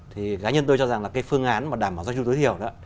thì cá nhân tôi cho rằng là cái phương án mà đảm bảo do chung tối thiểu đó